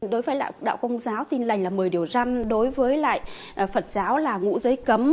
đối với đạo công giáo tin lành là một mươi điều răn đối với phật giáo là ngũ giới cấm